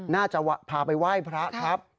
น่าจะพาไปไหว้พระครับ